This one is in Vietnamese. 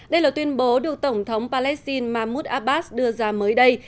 đây là tuyên bố được tổng thống palestine mahmoud abbas đưa ra mới đây